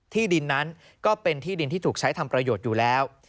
ที่ดินนั้นก็เป็นที่ดินที่ถูกใช้ทำประโยชน์อยู่แล้ว